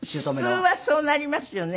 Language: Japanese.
普通はそうなりますよね。